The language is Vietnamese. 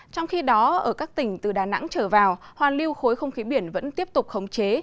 trong khi đó ở các tỉnh từ đà nẵng trở vào hoàn lưu khối không khí biển vẫn tiếp tục khống chế